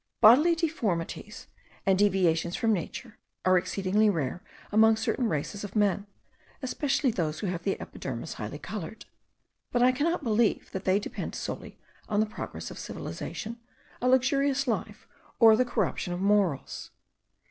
Bodily deformities, and deviations from nature, are exceedingly rare among certain races of men, especially those who have the epidermis highly coloured; but I cannot believe that they depend solely on the progress of civilization, a luxurious life, or the corruption of morals.